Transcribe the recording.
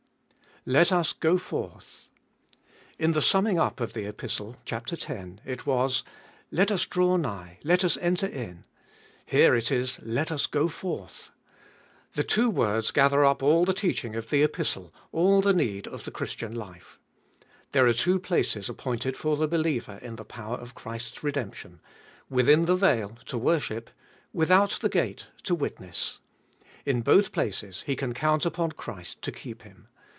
Let US go forth. In the summing up of the Epistle (chap, x.) it was, Let us draw nigh, let us enter in ; here it is, Let us go forth. The two words gather up all the teaching of the Epistb all the need of the Christian life. There are two places appointed for the believer in the power of Christ's redemption — within the veil, to worship ; without the gate, to witness. In both places 532 Ebe Ibolicst of Bli he can count upon Christ to keep him.